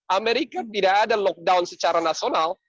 amerika tidak ada lockdown secara nasional